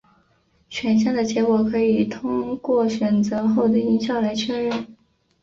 选项的结果可以透过选择后的音效来确认。